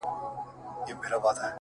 ځوان ناست دی”